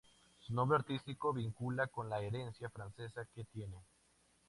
Su nombre artístico vincula con la herencia francesa que tiene.